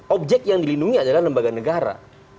objek yang dilindungi adalah lembaga negara